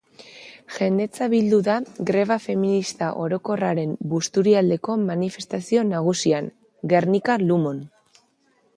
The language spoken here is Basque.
Jendetza bildu da Greba Feminista Orokorraren Busturialdeko manifestazio nagusian, Gernika-Lumon.